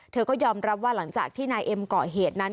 เธอก็ยอมรับว่าหลังจากที่นายเอ็มเกาะเหตุนั้น